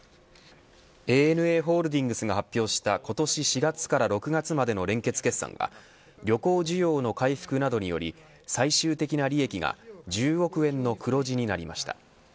ＡＮＡホールディングスが発表した、今年４月から６月までの連結決算は旅行需要の回復などにより最終的な利益が１０億円の黒字になりました。